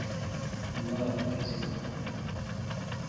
نه راته هسې دروند دی.